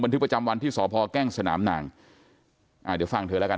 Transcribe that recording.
ทึกประจำวันที่สพแก้งสนามนางอ่าเดี๋ยวฟังเธอแล้วกัน